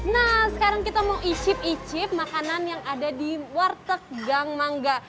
nah sekarang kita mau icip icip makanan yang ada di warteg gang mangga